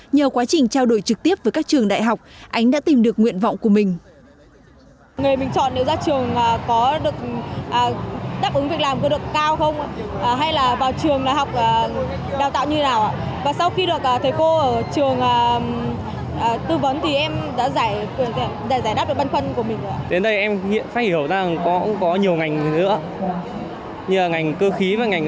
nhờ quá trình trao đổi trực tiếp với các trường đại học ánh đã tìm được nguyện vọng của mình